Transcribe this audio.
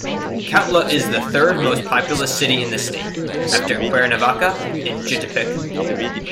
Cuautla is the third most populous city in the state, after Cuernavaca and Jiutepec.